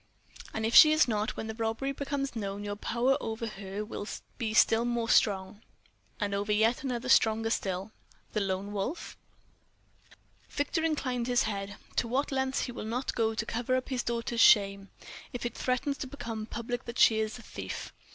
"And if she is not, when the robbery becomes known, your power over her will be still more strong?" "And over yet another stronger still." "The Lone Wolf?" Victor inclined his head. "To what lengths will he not go to cover up his daughter's shame, if it threatens to become public that she is a thief?